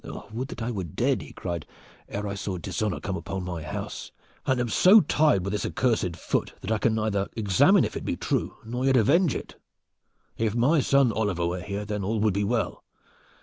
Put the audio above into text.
"Would that I were dead," he cried, "ere I saw dishonor come upon my house, and am so tied with this accursed foot that I can neither examine if it be true, nor yet avenge it! If my son Oliver were here, then all would be well.